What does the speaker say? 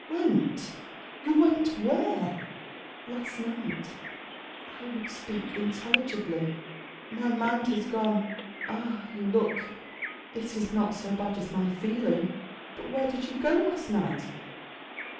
'Went? You went where?' 'Last night. I would speak intelligibly: my mind has gone. Ah! you look. It is not so bad as my feeling.' 'But where did you go last night?